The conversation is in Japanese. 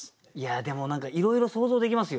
でも何かいろいろ想像できますよ。